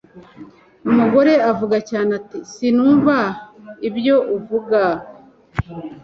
Umugore avuga cyane ati sinumva ibyo uvugaaaa